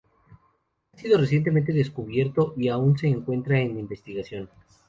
Ha sido recientemente descubierto y aún se encuentra en investigación.